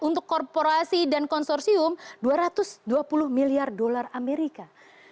untuk korporasi dan konsorsium dua ratus dua puluh miliar dolar amerika